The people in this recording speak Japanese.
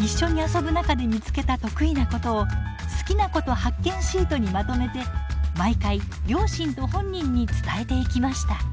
一緒に遊ぶ中で見つけた得意なことを「好きなこと発見シート」にまとめて毎回両親と本人に伝えていきました。